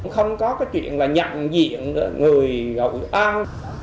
không có cái chuyện là nhận diện người hội an